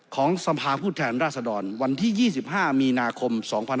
ของสภาผู้แทนราษฎรวันที่๒๕มีนาคม๒๕๖๒